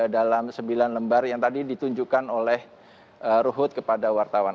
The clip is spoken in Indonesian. dalam sembilan lembar yang tadi ditunjukkan oleh ruhut kepada wartawan